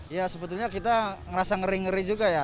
ya sebetulnya kita ngerasa ngeri ngeri juga ya